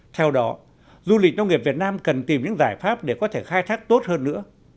theo đó du lịch nông nghiệp việt nam cần tìm những giải pháp để có thể khai thác tốt hơn nữa